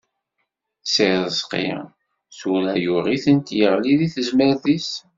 Si Rezqi tura yuɣ-itent yeɣli di tezmert-is.